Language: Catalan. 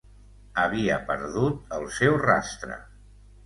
Havia perdut el seu rastre...